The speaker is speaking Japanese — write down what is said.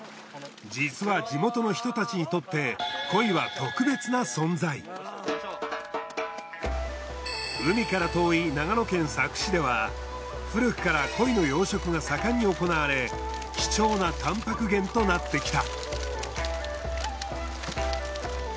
実は地元の人たちにとって海から遠い長野県佐久市では古くからコイの養殖が盛んに行われ貴重なタンパク源となってきた。